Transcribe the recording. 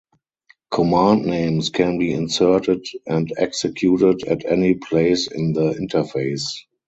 Command names can be inserted and executed at any place in the interface.